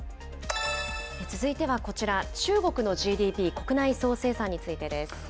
続いてはこちら、中国のＧＤＰ・国内総生産についてです。